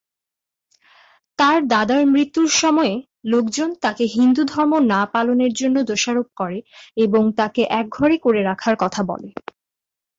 তার দাদার মৃত্যুর সময়ে লোকজন তাকে হিন্দু ধর্ম না পালনের জন্য দোষারোপ করে এবং তাকে একঘরে করে রাখার কথা বলে।